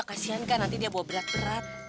kasian kan nanti dia bawa berat berat